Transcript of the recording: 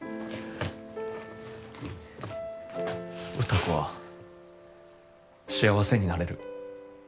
歌子は幸せになれる。